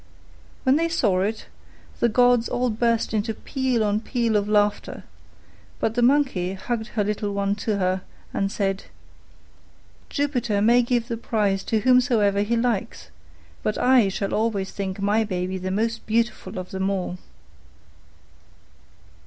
When they saw it, the gods all burst into peal on peal of laughter; but the Monkey hugged her little one to her, and said, "Jupiter may give the prize to whomsoever he likes: but I shall always think my baby the most beautiful of them all."